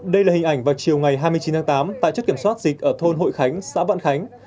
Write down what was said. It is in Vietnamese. đây là hình ảnh vào chiều ngày hai mươi chín tháng tám tại chất kiểm soát dịch ở thôn hội khánh xã vạn khánh